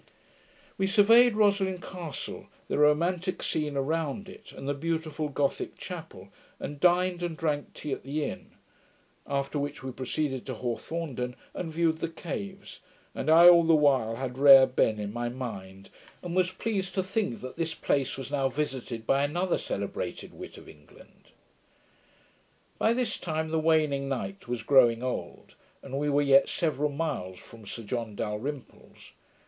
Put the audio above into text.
We surveyed Roslin Castle, the romantick scene around it, and the beautiful Gothick chapel, and dined and drank tea at the inn; after which we proceeded to Hawthornden, and viewed the caves; and I all the while had Rare Ben in my mind, and was pleased to think that this place was now visited by another celebrated wit of England. By this time 'the waning night was growing old', and we were yet several miles from Sir John Dalrymple's.